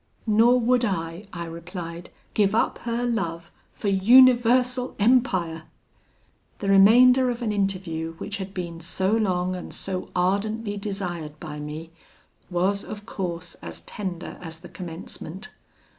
'Nor would I,' I replied, 'give up her love for universal empire!' "The remainder of an interview which had been so long and so ardently desired by me, was of course as tender as the commencement.